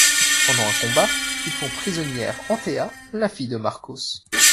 Pendant un combat, ils font prisonnière Antea, la fille de Marcos…